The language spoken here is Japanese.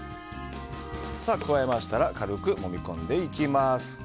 加えましたら軽くもみ込んでいきます。